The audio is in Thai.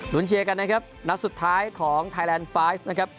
ลุ้นเชียร์กันนะครับนัดสุดท้ายของไทยไลน์๕นะครับ